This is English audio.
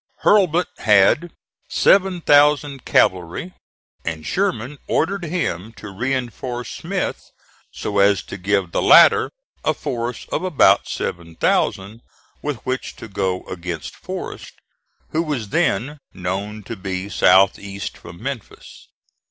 Hurlbut had 7,000 cavalry, and Sherman ordered him to reinforce Smith so as to give the latter a force of about 7,000 with which to go against Forrest, who was then known to be south east from Memphis.